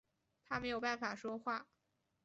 他没有办法说话